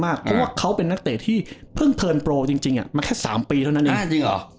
เพราะว่าเขาเป็นนักเตะที่เพิ่งเทินโปรจริงมาแค่๓ปีเท่านั้นเองเหรอ